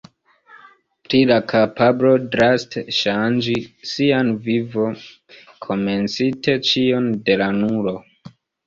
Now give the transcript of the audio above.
Pri la kapablo draste ŝanĝi sian vivon, komencinte ĉion de la nulo.